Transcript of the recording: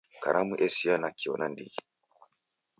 Karamu esia nakio nandighi.